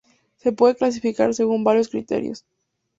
Se pueden clasificar según varios criterios.